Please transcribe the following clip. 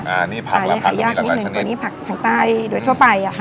อันนี้ผักละผักตัวนี้หลายชนิดตัวนี้ผักทางใต้โดยทั่วไป